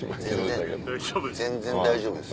全然大丈夫です。